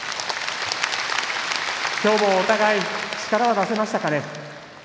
今日もお互い力を出せましたかね。